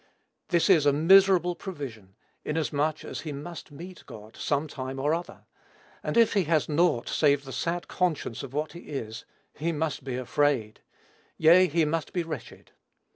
This is a miserable provision, inasmuch as he must meet God, some time or other; and if he has naught save the sad conscience of what he is, he must be afraid, yea, he must be wretched.